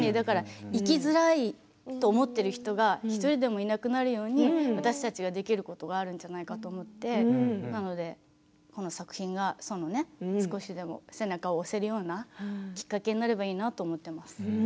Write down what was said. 生きづらいと思っているとか１人でもいなくなるように私たちができることがあるんじゃないかなと思ってこの作品が少しでも背中を押せるようなきっかけになればいいなと思っています。